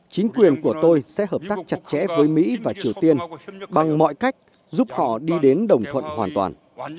chính quyền của tôi sẽ hợp tác chặt chẽ với mỹ và triều tiên bằng mọi cách giúp họ đi đến đồng thuận hoàn toàn